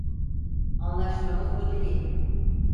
Anlaşmamız bu değildi.